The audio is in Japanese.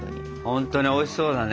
ほんとにおいしそうだね。